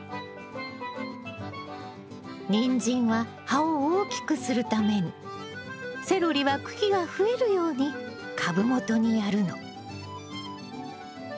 ニンジンは葉を大きくするためにセロリは茎が増えるように株元にやるの。